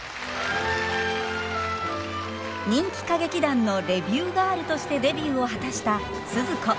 人気歌劇団のレビューガールとしてデビューを果たしたスズ子。